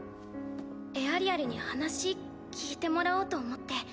エアリアルに話聞いてもらおうと思って。